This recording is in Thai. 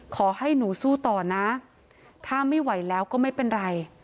ขอให้หนูสู้ต่อนะถ้าไม่ไหวแล้วก็ไม่เป็นไร